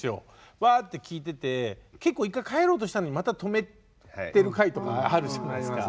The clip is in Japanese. バーッて聞いてて結構一回帰ろうとしたのにまた止めてる回とかあるじゃないですか。